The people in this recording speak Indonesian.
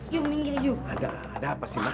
yuk minggir yuk